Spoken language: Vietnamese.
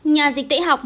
nhà dịch tễ học